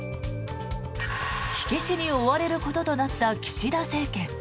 火消しに追われることとなった岸田政権。